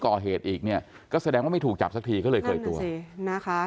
ก่อเหตุอีกเนี่ยก็แสดงว่าไม่ถูกจับสักทีก็เลยเคยตัวจริงนะคะ